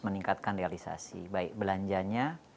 meningkatkan realisasi baik belanjanya